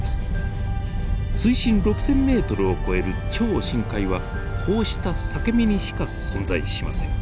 水深６，０００ｍを超える超深海はこうした裂け目にしか存在しません。